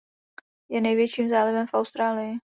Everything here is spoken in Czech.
Je největším zálivem v Austrálii.